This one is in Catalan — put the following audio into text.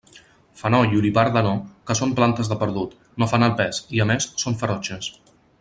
Fenoll i olivarda no, que són plantes de perdut, no fan el pes, i a més són ferotges.